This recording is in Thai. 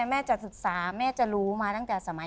แม่จะศึกษาแม่จะรู้มาตั้งแต่สมัย